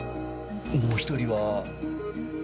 もう１人は。